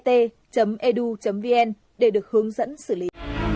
hai t edu vn để được hướng dẫn xử lý